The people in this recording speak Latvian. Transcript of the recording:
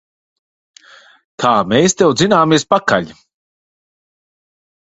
Kā mēs tev dzināmies pakaļ!